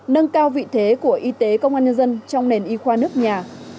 nâng cao vị thế của y tế công an nhân dân trong nền y khoa nước nhà